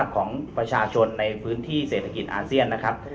ของประชาชนในพื้นที่เศรษฐกิจอาเซียนนะครับ